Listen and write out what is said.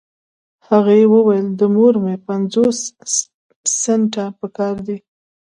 هغې وويل د مور مې پنځوس سنټه پهکار دي.